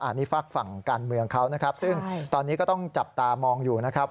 อันนี้ฝากฝั่งการเมืองเขานะครับซึ่งตอนนี้ก็ต้องจับตามองอยู่นะครับ